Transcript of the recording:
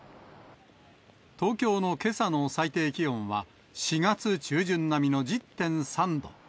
東京のけさの最低気温は、４月中旬並みの１０．３度。